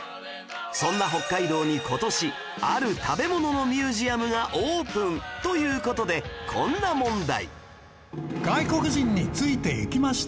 そんな北海道に今年ある食べ物のミュージアムがオープンという事でこんな問題